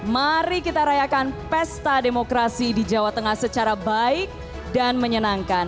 mari kita rayakan pesta demokrasi di jawa tengah secara baik dan menyenangkan